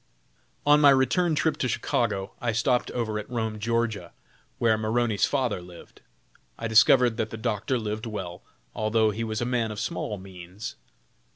On my return trip to Chicago I stopped over at Rome, Ga., where Maroney's father lived. I discovered that the doctor lived well, although he was a man of small means.